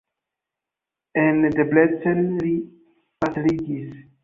En Debrecen li pastriĝis.